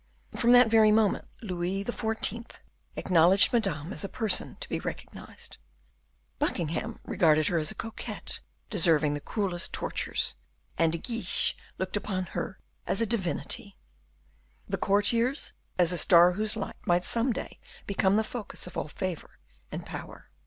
From that very moment Louis XIV. acknowledged Madame as a person to be recognized. Buckingham regarded her as a coquette deserving the cruelest tortures, and De Guiche looked upon her as a divinity; the courtiers as a star whose light might some day become the focus of all favor and power.